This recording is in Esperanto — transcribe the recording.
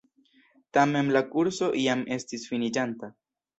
Tamen la kurso jam estis finiĝanta.